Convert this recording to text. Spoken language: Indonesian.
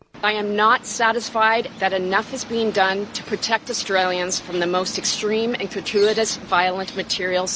saya tidak setuju bahwa cukup yang dilakukan untuk melindungi orang australia dari materi tersebut yang terlalu ekstrem dan kertulis